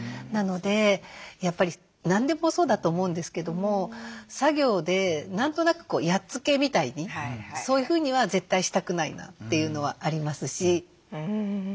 なのでやっぱり何でもそうだと思うんですけども作業で何となくやっつけみたいにそういうふうには絶対したくないなというのはありますし。